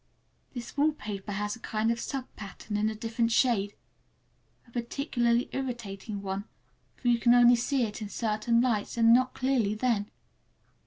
This wallpaper has a kind of sub pattern in a different shade, a particularly irritating one, for you can only see it in certain lights, and not clearly then.